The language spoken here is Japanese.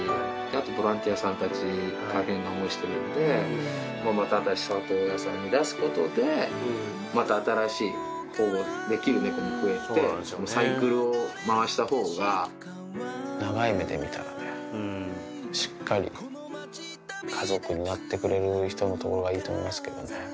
ボランティアさんたち、大変な思いしてるんで、また新しい飼い主さんに出すことで、また新しい保護できる猫も増えて、サイクルを回したほうが、長い目で見たらね、しっかり、家族になってくれる人のところがいいと思いますけどね。